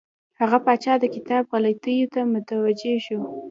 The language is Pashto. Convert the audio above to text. هغه پاچا د کتاب غلطیو ته متوجه شو.